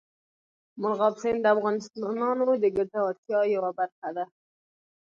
مورغاب سیند د افغانانو د ګټورتیا یوه برخه ده.